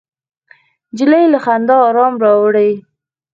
نجلۍ له خندا ارام راوړي.